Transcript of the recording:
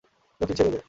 Rocky, ছেড়ে দে।